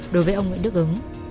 đối với ông nguyễn đức ứng